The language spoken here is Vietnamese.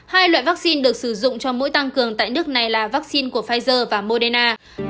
hai loại vaccine được sử dụng cho mỗi tăng cường tại nước này là vaccine của pfizer và moderna